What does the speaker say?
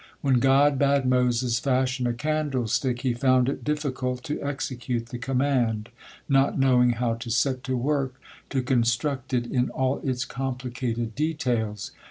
When God bade Moses fashion a candlestick, he found it difficult to execute the command, not knowing how to set to work to construct it in all its complicated details.